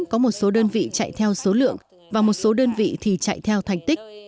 có một số đơn vị chạy theo số lượng và một số đơn vị thì chạy theo thành tích